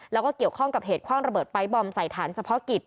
แล้วก็เกี่ยวข้องกับเหตุคว่างระเบิดไป๊บอมใส่ฐานเฉพาะกิจ